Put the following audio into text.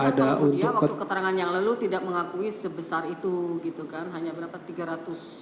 soalnya kan kalau ibu dia waktu keterangan yang lalu tidak mengakui sebesar itu gitu kan hanya berapa tiga ratus